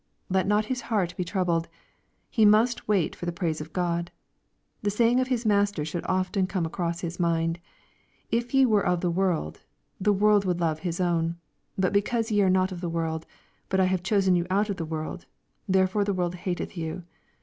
Let not his heart be troubled. He must wait for the praise of God. The saying of his Master should often come across his mind :" If ye were of the world, the world would love his own ; but because ye are not of the world, but I have chosen you out of the world, therefore the world hatethyou.''